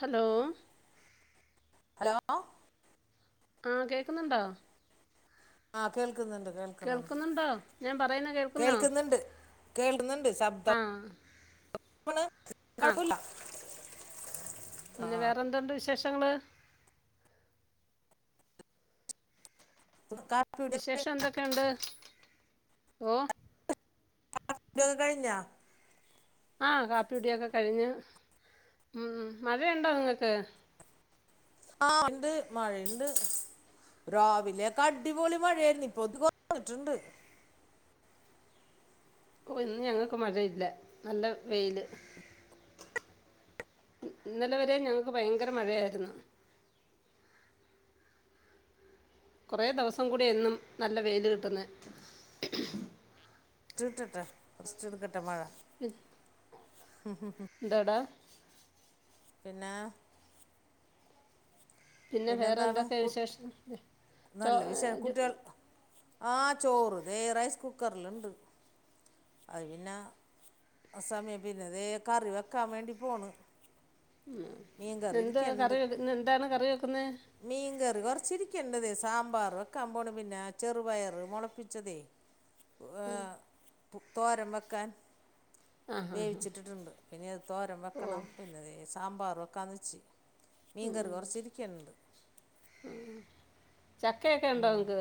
Hello? Hello? ആഹ് കേക്ക്ന്നുണ്ടോ? ആഹ് കേൾക്ക്ന്ന്ണ്ട് കേൾക്ക്ന്ന്ണ്ട് കേൾക്കുന്നുണ്ടോ ഞാൻ പറയുന്നത് കേൾക്കുന്നോ കേൾക്ക്ന്ന്ണ്ട്. കേൾക്ക്ണ്ട് ആ ശബ്ദം [unintelligible] ആ കൊഴപ്പല്ല. പിന്നെ വേറെന്തുണ്ട് വിശേഷങ്ങള്? ക വിശേഷം എന്തൊക്കെയുണ്ട്? ഓഹ് [unintelligible] കഴിഞ്ഞോ ആഹ് കാപ്പി കുടിയൊക്കെ കഴിഞ്ഞ് ഉം. മഴയുണ്ടോ അങ്ങട്ട്? ആഹ് ഇണ്ട് മഴയിണ്ട്. രാവിലെയക്കെ അടിപൊളി മഴയാഴിരുന്ന് ഇപ്പോ ഇതു കൊർഞ്ഞിട്ടുണ്ട്. ഓഹ് ഇന്ന് ഞങ്ങക്ക് മഴയില്ല നല്ല വെയില്. ഇന്നലെ വരെ ഞങ്ങക്ക് ഭയങ്കര മഴയായിരുന്നു. കൊറെ ദിവസം കൂടി ഇന്നും നല്ല വെയിൽ കിട്ടുന്നേ. [unintelligible] മഴ. ഉം ഉം ഉം ഉം എന്താടാ? പിന്നെ? പിന്നെ വേറെ പിന്നെന്താണ് എന്തൊക്കെ കു വിശേഷം ചോ നല്ല വിഷയം ജു- കുട്ട്യൾ ആഹ് ചോറ് തേ റൈസ് കുക്കറിലുണ്ട് അത് പിന്നെ സമയം പിന്നെതേ കറി വെക്കാൻ വേണ്ടി പോണ് മീൻ കറി എന്ത കറി ഇരിക്കുന്നുണ്ട് വെ ഇന്ന് എന്താണ് കറി വെക്കുന്നത് മീൻകറി കുറച്ചിരിക്കണ്ട് സാമ്പാർ വെക്കാമ്പോണ് പിന്നെ ചെറുപയറ് മുളപ്പിച്ചതേ ഏ, ഉം തോരൻ വെക്കാൻ. ആ ഹാ ഹാ വേവിച്ചിട്ടിട്ടുണ്ട് പിന്നെ അത് തോരം ഓ വെക്കണം പിന്നെ സാമ്പാർ വെക്കാ വച്ച് ഉം ചക്കയൊക്കെ ഉണ്ടോ നിങ്ങക്ക്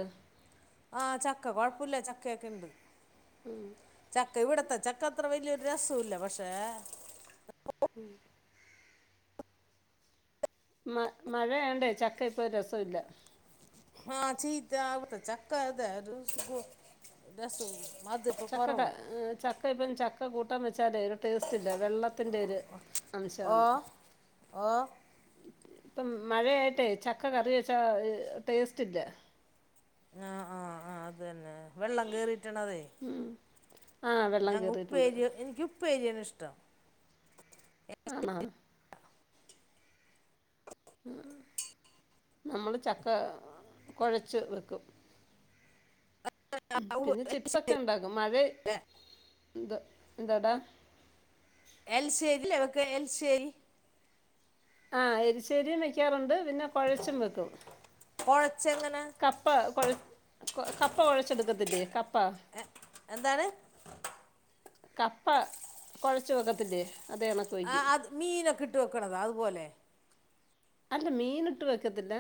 ആഹ് ചക്ക കുഴപ്പില്ല ചക്കയൊക്കെ ഇണ്ട് ചക്ക ഇവിടത്തെ ചക്ക ചക്ക അത്ര വലിയൊരു രസല്ല പക്ഷേ ഉം മ മഴ ആ ആയോണ്ടേ ചക്ക ഇപ്പോ രസവില്ല ആഹ് ചീത്ത ആവത്ത ചക്ക ഒരു രസൂല ചക്ക ചക്ക ഇപ്പം ചക്ക കൂട്ടാൻ വെച്ചാലേ ഒരു ടേസ്റ്റില്ല വെള്ളത്തിൻ്റെ ഒരു ഓ അംശമാണ് ഓ ഇപ്പം മഴയായിട്ടേ ചക്ക കറി വെച്ചാ ടേസ്റ്റ് ഇല്ല ആഹ് ആഹ് ആഹ് അതന്നെ വെള്ളം കേറിട്ടാണ് അതെ ആ ഹ് വെള്ളം കയറിയിട്ടുണ്ട്. ഉപ്പേരി എനിക്ക് ഉപ്പേരിയാണ് ഇഷ്ടം ആണോ നമ്മൾ ചക്ക കുഴച്ച് വെക്കും ആ, ഉ- പിന്നെ ചിപ്സൊക്കെ ഉണ്ടാക്കും മഴ അല്ല, എന്ത എന്താടാ എൽശേരില്ലവക്ക് എൽശേരി ആഹ് എൽശേരിയും വെക്കാറുണ്ട് പിന്നെ കൊഴച്ചും വെക്കും കൊഴച്ച് എങ്ങനെ കപ്പ കൊഴ കപ്പ കൊഴച്ചെടുക്കത്തില്ലേ കപ്പ എന്താണ് കപ്പ കുഴച്ചുവക്കത്തില്ലേ അതെണ്ക്ക് ആഹ് അത് മീനൊക്കെ ഇട്ട് വെക്കണതോ അതുപോലെ അല്ല മീൻ ഇട്ട് വെക്കത്തില്ല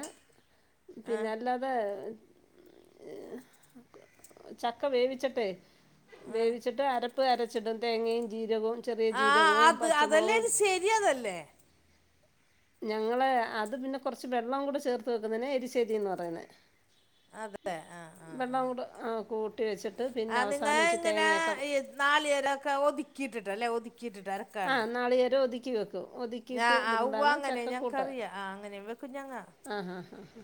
ആ പിന്നെ അല്ലാതെ ചക്ക വേവിച്ചിട്ട് വേവിച്ചിട്ട് അര പ്പ് അരച്ചിടും തേങ്ങയും ജീരകവും ചെറിയ ജീരകവും പച്ചമുളകും ചേരിയതല്ലേ ഞങ്ങളെ അത് പിന്നെ കൊറച്ച് വെള്ളം കൂടെ ചേർത്ത് വെക്കുന്നെ എരിശ്ശേരിന്ന് പറന്നെ അതെ ആ ആ വെള്ളം ആ. കൂടെ ആഹ് കൂട്ടി വെച്ചിട്ട് പിന്നെ അവസാനം വെച്ച് തേങ്ങയൊക്കെ വ നാളികേരൊക്കെ ഒതുക്കിട്ടിട്ടല്ലേ ഒതുക്കിട്ടിട്ട ല്ലേ ആഹ് നാളികേരം ഒതുക്കി വെക്കും ആ ഒതുക്കിയിട്ട് ആ ഉവ്വ ഇടുന്നതാണ് അങ്ങനെ ചക്കക്കൂട്ടാൻ ഞങ്ങൾക്കറിയാം ആ അങ്ങനെ വെക്കും ഞങ്ങ ആഹ് ഹാ ഹാ ഹാ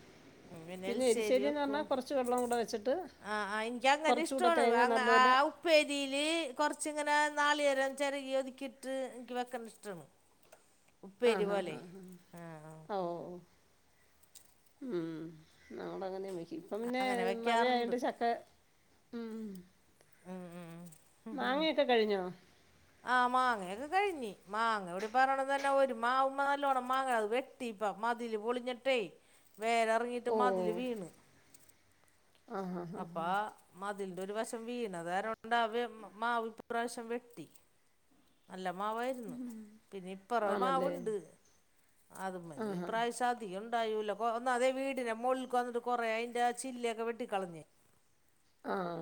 പിന്നെ എൽസേരി എരിശ്ശേരി എന്ന് പറഞ്ഞാൽ വെക്കും കുറച്ച് വെള്ളം കൂടെ വെച്ചിട്ട് ആഹ് ആഹ് എനിക്കി അങ്ങനെ കുറച്ചുകൂടെ ഇഷ്ടോണ് തേങ്ങ ആഹ് ആ നല്ലപോലെ ഉ ഉപ്പേരിൽ കൊറച്ച് ങ്ങനെ നാളികേരം ചെരകി ഒതുക്കിയിട്ട് എനിക്ക് വെക്ക്ന്ന് ഇഷ്ടം ആണ് ആഹ് ഹാ ഹാ ഹാ ആ ആ. ഓഹ് മം നമ്മള് അങ്ങനേം വെക്കിയും ഇപ്പം പിന്നെ അങ്ങനെ വെക്കാറുണ്ട് മഴയോണ്ട് ചക്ക മം ഉം, മാങ്ങയൊക്കെ കഴിഞ്ഞോ ആഹ് മാങ്ങയൊക്കെ കഴിഞ്ഞി മാങ്ങ ഇവിടെ പറയണതന്നെ ഒരു മാവുമ്മ നല്ലോണം മാങ്ങ അത് വെട്ടി ട്ടീപ്പ മതില് പൊളിഞ്ഞിട്ടെ വേര് എറങ്ങിട്ട് ഓ മതില് വീണ് ആ ഹാ ഹാ ഹാ. അപ്പാ മതിൽന്റെ ഒരു വശം വീണ കാരണംകൊണ്ട് മാവ് ഇ പ്രാവശ്യം വെട്ടി നല്ല മാവായിരുന് പിന്നെ ഇപ്പറ ഒരു ആണല്ലേ മാവുണ്ട് അത് ആ മേല് ഇ ഹാ പ്രാവശ്യം അത് [unintelligible] ഉണ്ടായൂല്ലാ [unintelligible] അതെയ് വീടിനെ മോൾക് വന്ന് ട്ട് കൊറേ അയിന്റെ ചില്ലയൊക്കെ വെട്ടി കളഞ്ഞി ആഹ്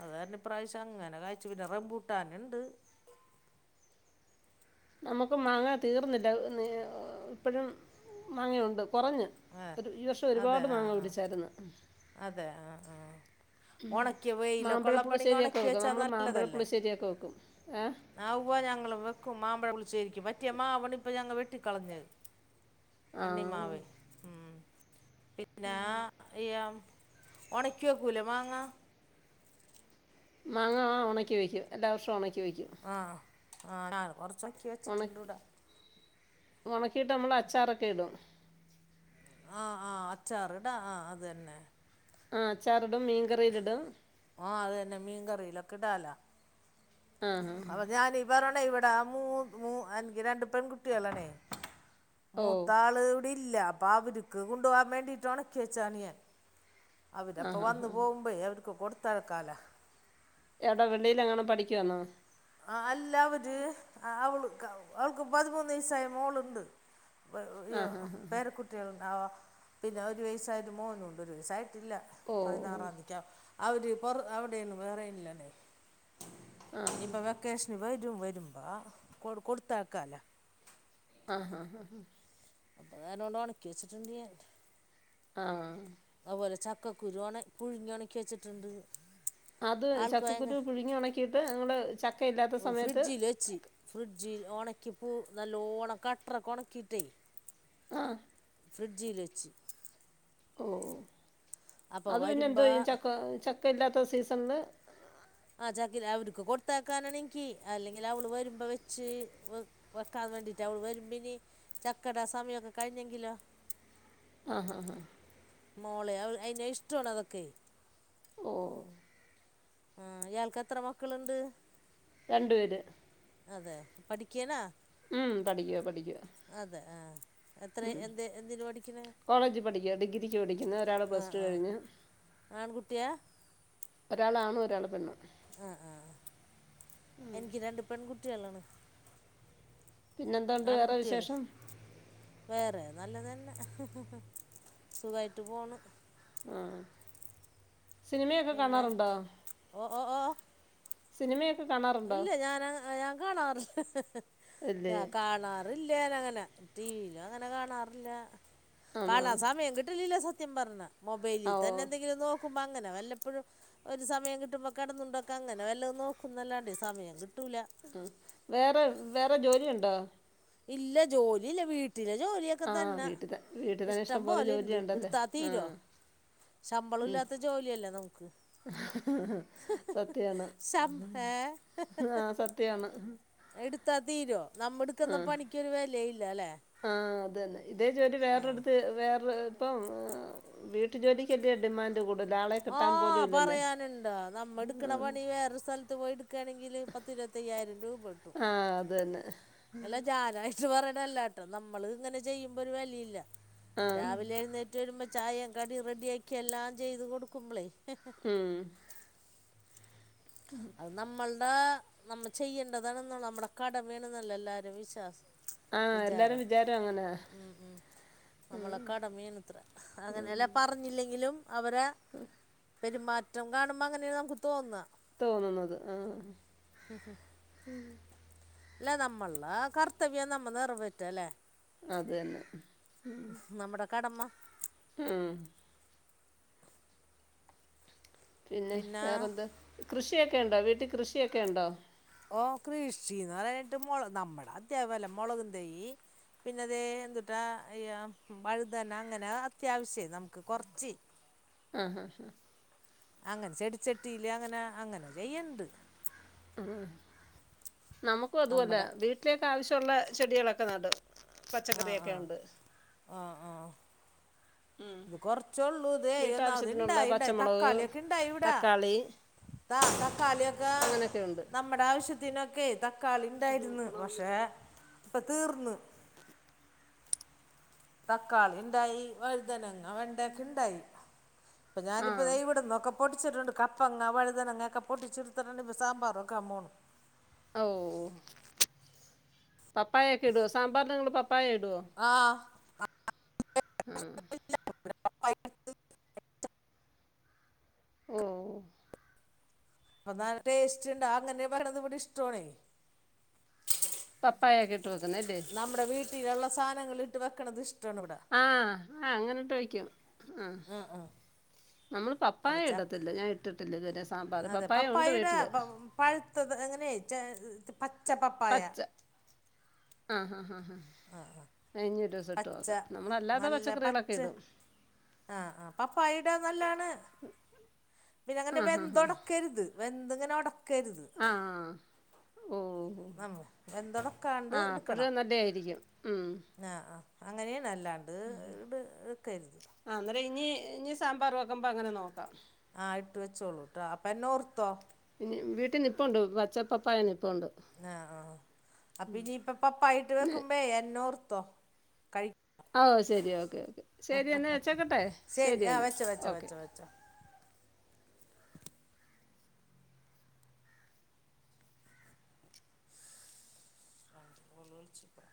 അത് കാരണം ഇ പ്രാവശ്യം അങ്ങനെ കായ്ച്ചൂല്ല റംമ്പൂട്ടന് ണ്ട് നമുക്ക് മാങ്ങാ തീർന്നില്ല ഇപ്പോഴും മാങ്ങയുണ്ട് കോറഞ് ആ ഒരു ഈ വർഷം അതെ ഒരുപാട് ആ മാങ്ങ ആ പിടിച്ചായിര്ന്ന് അതെ ആഹ് ആഹ് മാമ്പഴ പുളിശ്ശേരിയൊക്കെ ഉണക്കി വെക്കും വെച്ചാ നമ്മള് മാമ്പഴ പുളിശ്ശേരിയൊക്കെ വെക്കും ഏഹ് ആഹ് ഉവ്വാ ഞങ്ങളും വെക്കും മാമ്പഴ പുളിശ്ശേരിക്ക് പറ്റിയ മാവണ് ഇപ്പ ഞങ്ങ വെട്ടി കളഞ്ഞെ ആ കണ്ണിമാവ് ഉം പിന്നാ യാം ഉണക്കി വെക്കൂലെ മാങ്ങാ മാങ്ങ ആഹ് ഒണക്കി വയ്ക്കും എല്ലാ വർഷവും ഒണക്കി വയ്ക്കും ആഹ് ആടാണ് കോറച്ചൊൻക്കി വെച്ചിട്ടുണ്ട് ഉണക്കി വിട ഉണക്കിയിട്ട് നമ്മൾ അച്ചാറൊക്കെ ഇടും ആഹ് ആഹ് അച്ചാറ്ടാ ആഹ് അതന്നെ ആഹ് അച്ചാർ ഇടും മീൻ കറിയില് ഇടും ആഹ് അതന്നെ മീൻ കറീലൊക്കെ ഇടാലോ ആ ഹാ ഹാ അപ്പൊ ഞാനീ പറണേ ഇവിട ആഹ് മൂ മൂന് എനിക്ക് രണ്ട് പെൺകുട്ടികളാണേ ഓ മൂത്താള് ഇവിടെ ഇല്ല അപ്പ അവര് ക്ക് കൊണ്ടു പോവാൻ വേണ്ടിട്ട്ണക്കി വെച്ചയാണ് ഞാൻ അവര് ആ അപ്പൊ ഹാ വന്ന് ഹാ പോകുബഴെ അവര്ക്ക് കൊടുത്തഴക്കാല ഏട വെളി യിലെങ്ങാനോ പഠിക്കുവാന്നോ ആഹ് അല്ല അവര് അവൾക് അവൾക്ക് പതിമൂന്ന് വയസായ മോളുണ്ട് ആ ഹാ [unintelligible] ഹാ ഹാ പേരക്കുട്ടികളുണ്ടാവോ പിന്നെ ഒരു വയസായത് മോനു ഉണ്ട് ഒരു വയസ്സായിട്ടില്ല ഓ ഓ പതിന്നാറാന്തിക്കാവും അവര് പൊറ അവിടെന്നും വേറെല്ലണെ ആ ഇനിപ്പോ വെക്കേഷന് വരും വരുമ്പോ കൊ കൊടുത്തയക്കാലോ ആഹ് അഹ് അഹ് അപ്പ നേരം കൊണ്ട് ഒണക്കി വച്ചിട്ടുണ്ട് ഞാൻ ആഹ് അതുപോലെ ചക്കക്കുരു ഒണ പുഴുങ്ങി ഒണക്കി വെച്ചിട്ടുണ്ട് അത് ആൾക്ക് ഭയങ്കര ചക്കക്കുരു പുഴുങ്ങി ഉണക്കിയിട്ട് നമ്മള് ചക്കയില്ലാത്ത സമയത്ത് വെച്ചി ഫ്രിഡ്ജിൽ ഒണക്കിപ്പൂ നല്ലോണം കട്ടറോക്കെ ഒണക്കിട്ടേ ആഹ് ഫ്രജിയിൽ വച്ച് ഓഹ് ഓഹ് അപ്പോൾ അത് പിന്നെ എന്ത്‌ വരുമ്പോൾ ചെയ്യും ചക്ക ചക്ക ഇല്ലാത്ത സീസൺല് ആഹ് ചക്ക അവറീക്ക് കൊടുത്താക്കാനാണെങ്കി അല്ലെങ്കിൽ അവള് വരുമ്പോ വെച്ച്. വക്കാൻ വേണ്ടിട്ട് അവൾ വരുമ്പിനി ചക്കടാ സമയൊക്കെ കഴിഞ്ഞെങ്കിലോ. ആഹ് ഹ് ഹ്. മോളെ [unintelligible] ഇഷ്ടണ് അതൊക്കെ. ഓഹ് ഉം ഇയാൾക്ക് എത്ര മക്കളുണ്ട്. രണ്ടു പേര്. അതെ പഠിക്കേനാ. ഉം പഠിക്കവാ പഠിക്കുവ. അതെ ആഹ്. ഉ കോളേജ് പഠിക്കുന്നു ഡിഗ്രിക്ക് പഠിക്കുന്ന ഒരാള് ആ പ്ലസ് ടു ആ കഴിഞ്ഞ്. ആൺകുട്ടിയാ. ഒരാളാണും ഒരാൾ പെണ്ണും. ആഹ ആഹ എനിക്ക് രണ്ട് പെൺകുട്ടികളാണ്. പിന്നെന്തുണ്ട് വേറെ ആൺകുട്ടിയല്ലേ വിശേഷം വേറെ നല്ലതന്നെ സുഖായിട്ട് പോണ്. ആ സിനിമയൊക്കെ കാണാറുണ്ടോ. ഓഹ് ഓഹ് ഓഹ്. സിനിമയൊക്കെ കാണാറുണ്ടോ. ഞൻ ഞാൻ കാണാറുണ്ട് ഇല്ലേ കാണാറ. ഇല്ല അങ്ങനെ ടി വിയിലും അങ്ങനെ കാണാറില്ല. ആണോ കാണാ സമയം കിട്ടലില്ല സത്യം പറഞ്ഞ ആ മൊബൈലിൽ ഓ തന്നെ എന്തെങ്കിലും നോ. നോക്കും അങ്ങനെ വല്ലപ്പോഴും ഒരു സമയം കിട്ടുമ്പോ കടന്നുണ്ടെ അങ്ങനെ വല്ല നോക്കല്ലാണ്ട്. സമയം കിട്ടൂല. ആ വേറെ വേറെ ജോലി ഉണ്ടോ. ഇല്ല ജോലി ഇല്ല വീട്ടിലെ ജോലിയ. ക്കെ ആ തന്നെ വീട്ടിൽ വീട്ടിൽ തന്നെ ഇഷ്ടം ഇഷ്ടംപോലെ പോലെ ഇണ്ട് ജോലിയുണ്ടല്ലേ ഇടുത്താ ആ തീരോ. ശമ്പളം ഇല്ലാത്ത ജോലിയല്ലേ നമുക്ക്. സത്യാണ് ശം ഏ ആഹ സത്യാണ്. എടുത്താ തീരുോ നമ്മുടെ. ആഹ ആ അത തന്നെ ഇതേ ജോലി ആ വേറെടുത്ത് വേറെ. ഇപ്പം വീട്ടു ജോലിക്ക് വലിയ ഡിമാൻഡ്. കൂടുതൽ ആളെ കിട്ടാൻ പോലും ഇല്ലല്ലേ ഓപറയാനുണ്ട നമ്മ എടുക്കണ പണി വേറെ സ്ഥല്. പത്ത് പോയി എടുക്കുകണെങ്കിൽ പത്തിരുപത്തയ്യായിരം രൂപകിട്ടും ആഹ് അത് തന്നെ. അല്ല ജാനായിട്ട് പറയണല്ലട്ടോ നമ്മള് ഇങ്ങനെ ചെയ്യുമ്പോ ഒരു വിലയില്ല ആ രാവിലെ എഴുന്നേറ്റ്. റ്റ വരുമ്പോൾ ചായയും കടി റെഡിയാക്കിയ എല്ലാം ചെയ്ത് കൊടുക്കുമ്പളേ. ഉം. ഉം. അത് നമ്മളുടെ നമ്മ ചെയ്യേണ്ടതാണെന്ന നമ്മുടെ കട വീണ എന്നല്ലോ എല്ലാരും വിശ്വാസം. ആഹ് എല്ലാരും വിചാരം അങ്ങനെ. നമ്മള കടമയാണെന്ന് അതിന നല്ല. പറഞ്ഞില്ലെങ്കിലും അവരെ പെരുമാറ്റം കാണുമ്പോൾ അങ്ങനെയാണ് നമുക്ക് തോന്നുക. തോന്നുന്നത് ആ. ഹ ഹാ. ഉം. പിന്നെ നമ്മള് കർത്തവ്യം നമ്മ നിറവേറ്റു അല്ലേ. അത് തന്നെ നമ്മുടെ കടമ്മ. ഉം. പിന്നെ വേറെന്താ കൃഷിയൊക്കെയുണ്ടോ വീട്ടിൽ കൃഷിയൊക്കെ ഉണ്ടോ ഓ കൃഷിന്ന് പറഞ്ഞിട്ട് മുള നമ്മുടെ അത്യാപകല്ലെ മുളകുംതൈ പിന്നെതെ എന്തുട്ടാ ഈ വഴുതന അങ്ങനെ അത്യാവശ്യ നമുക്ക് കൊറച്ച് ആഹ് ഹ് ഹ് അങ്ങനെ ചെടിച്ചട്ടിയില് അങ്ങനെ അങ്ങനെ ചെയ്യല്ണ്ട് ഉം നമുക്കും അതുപോലെ നമ്മുടെ വീട്ട് വീട്ടിലേക്ക്‌ ആവശ്യള്ള ചെടികളൊക്കെ നടും ആ പച്ചക്കറിയൊക്കെ ആ ഉണ്ട് ആ ആ ഇത് കൊറച്ചെള്ളൂതേ എന്നാത് വീട്ടാവശ്യത്തിനുള്ള ഇണ്ടായിണ്ടെ പച്ചമുളക് തക്കാളിയെക്കെ ഇണ്ടായിവിടെ തക്കാളി ത തക്കാളിയൊക്കെ അങ്ങനെയൊക്കെ ഉണ്ട് നമ്മ നമ്മുടാവശ്യത്തിനൊക്കെ തക്കാളി ഉണ്ടായിരുന്ന് പക്ഷെ ഇപ്പൊ തീർന്ന് തക്കാളി ഇണ്ടായി വഴുതനങ്ങ വെണ്ടൊക്കെ ഇണ്ടായി അപ്പൊ ആ ഞാനിപ്പോ ദേ ഇവിടെന്നൊക്കെ പൊടിച്ചിണ്ട് കപ്പങ്ങ വഴുതനങ്ങക്കെ പൊട്ടിച്ചിടുത്തിട്ടണ്ട് സാമ്പറെക്കാൻ പോന്ന് ഓ പപ്പായൊക്കെ ഇടോ സാമ്പാറിന് ഇങ്ങള് പപ്പായ ഇടോ ആഹ് ഉം ഓ അപ്പനല്ല ടേസ്റ്റ് ഉണ്ട് അങ്ങനെ പറയണത് ഇവിടിഷ്ട്ടാണേ പപ്പായൊക്കെ ഇട്ട് വെക്കുന്നല്ലീ നമ്മുടെ വീട്ടിലുള്ള സാധനങ്ങള് ഇട്ട് വെക്കണത് ഇഷ്ടമാണ് ഇവിടെ ആ ആ അങ്ങനിട്ട് വയ്ക്കും ആ നമ്മള് പപ്പായ അപ്പം ചക്ക ഇടത്തില്ല ഞാൻ ഇട്ടിട്ടില്ല ഇതുവരെ സാമ്പാർ അതെ പപ്പായ ഉണ്ട് പപ്പായയുടെ വീട്ടില് പ- പഴുത്തത് എങ്ങനെ ചെ പച്ച പപ്പായ പച്ച ആ ഹാ ഹാ ഹാ ഞാ ഇനി ഒരുദിവസിട്ട് ട്ടു പച്ച നോക്കാം നമ്മളല്ലാത്ത പച്ചക്കറികളൊക്കെയിടും ആഹ് ആഹ് പപ്പയിടാൻ നല്ലാണ് പിന്നെ അങ്ങനെ ആ ഹാ ഹാ വെന്തൊടക്കരുത് വെന്ത്ങ്ങനൊട ആഹ് ഓ നമ്മ വെന്തുടക്കാണ്ട് ആ അപ്പഴ്‌ നല്ലയായിരിക്കും ഉം ആഹ് ആഹ് അങ്ങനെണ് അല്ലാണ്ട് ഇടു ക്കരുത് ആ അന്നേര ഇനി ഇനി സാമ്പാർ വക്കുമ്പോൾ അങ്ങനെ നോക്കാം ആഹ് ഇട്ട് വെച്ചോളൂ ട്ടൊ അപ്പെന്നെ ഓർത്തോ ഇനി വീട്ടിൽ നിപ്പുണ്ട് പച്ച പപ്പായ നിപ്പുണ്ട് ആഹ് ആഹ് അപ്പ ഇനിയിപ്പെ പപ്പായിട്ട് പിന്നെ വെക്കുമ്പേ എന്നോർത്തോ കഴി ഓ ശരി ഓക്കെ ഓക്കെ ശരി എന്നാ വെച്ചേക്കട്ടെ ശരി എന്നാ ഓക്കെ ച രണ്ടു കാൾ വിളിച്ചിപ്പോ